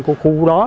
của khu đó